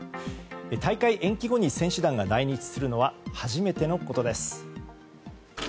大会延期後に選手団が来日するのは初めてのことです。